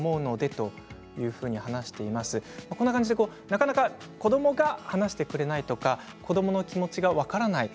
なかなか子どもが話してくれないとか子どもの気持ちが分からない